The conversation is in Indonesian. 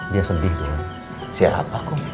dia sedih doi siapa kum